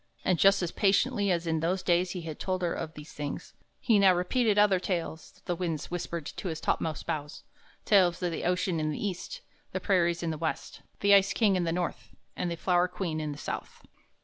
And, just as patiently as in those days he had told her of these things, he now repeated other tales the winds whispered to his topmost boughs, tales of the ocean in the East, the prairies in the West, the ice king in the North, and the flower queen in the South.